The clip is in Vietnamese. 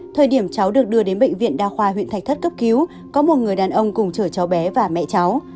thời điểm cháu được đưa đến bệnh viện đa khoa huyện thạch thất cấp cứu có một người đàn ông cùng chở cháu bé và mẹ cháu